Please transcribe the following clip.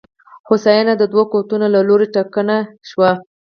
هوساینه د دوو قوتونو له لوري ټکنۍ شوه.